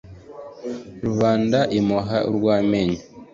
rubanda imuha urw'amenyo